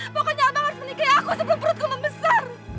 pokoknya anda harus menikahi aku sebelum perutku membesar